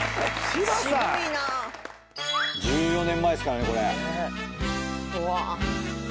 １４年前ですからねこれ。